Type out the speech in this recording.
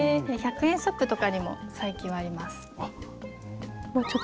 １００円ショップとかにも最近はあります。